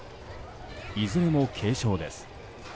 いずれも軽症です。